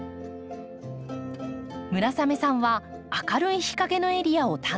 村雨さんは明るい日陰のエリアを担当。